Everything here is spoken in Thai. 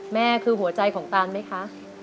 แม่คือหัวใจของตานไหมคะ